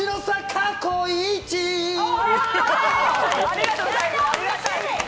ありがとうございます。